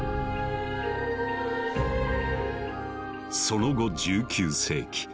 その後１９世紀。